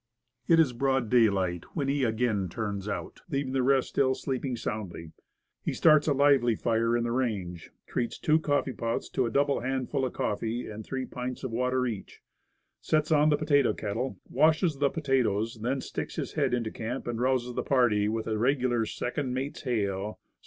It is broad daylight when he again turns out, leav ing the rest still sleeping soundly. He starts a lively fire in the range, treats two coffee pots to a double handful of coffee and three pints of water each, sets on the potato kettle, washes the potatoes, then sticks his head into the camp, and rouses the party with a regular second mate's hail.